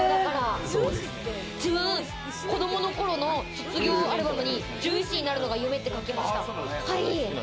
自分、子供の頃の職業、アルバムに獣医師になるのが夢って書きました。